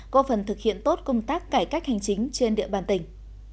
có phần thực hiện tốt công tác cải cách hành chính trên địa bàn tỉnh